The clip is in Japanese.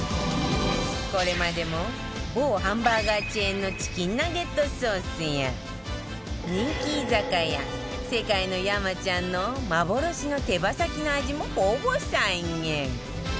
これまでも某ハンバーガーチェーンのチキンナゲットソースや人気居酒屋世界の山ちゃんの幻の手羽先の味もほぼ再現